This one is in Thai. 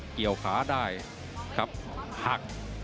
เกี่ยวขาได้ครับหัก